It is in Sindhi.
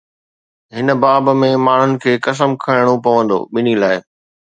هن باب ۾ ماڻهن کي قسم کڻڻو پوندو، ٻنهي لاءِ